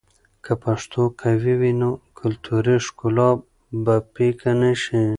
که پښتو قوي وي، نو کلتوري ښکلا به پیکه نه شي.